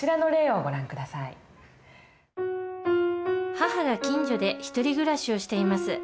母が近所で独り暮らしをしています。